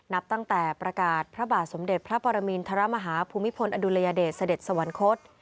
นับตั้งแต่ประกาศพระบาทสมเด็จพระปรมินทรมาฮาภูมิพลอดุลยเดชเสด็จสวรรคต